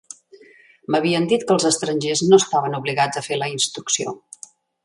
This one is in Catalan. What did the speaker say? M'havien dit que els estrangers no estaven obligats a fer la «instrucció»